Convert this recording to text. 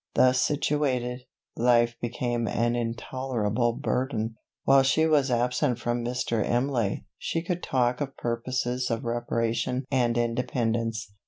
Thus situated, life became an intolerable burthen. While she was absent from Mr. Imlay, she could talk of purposes of reparation and independence.